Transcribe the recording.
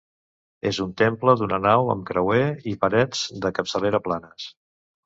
És un temple d'una nau amb creuer i parets de capçalera planes.